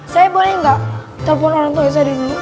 saya boleh gak telepon orang tua saya dulu